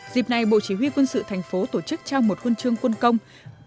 dịp này bộ chỉ huy quân sự thành phố tổ chức trao một huân chương quân công